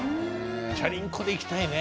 チャリンコで行きたいね。